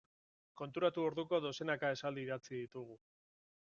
Konturatu orduko dozenaka esaldi idatzi ditugu.